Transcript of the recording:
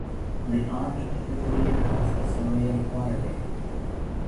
The art typically has a surreal quality.